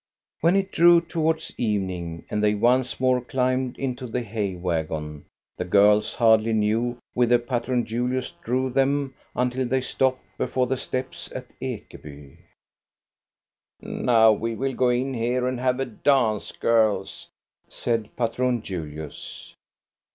When it drew towards evening, and they once more climbed into the hay wagon, the girls hardly knew whither Patron Julius drove them, until they stopped before the steps at Ekeby. " Now we will go in here and have a dance, girls," said Patron Julius.